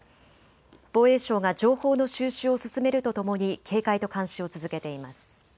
防衛省が情報の収集を進めるとともに警戒と監視を続けています。